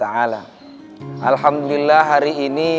alhamdulillah hari ini